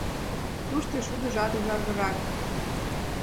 Тушто шудыжат ужаргырак.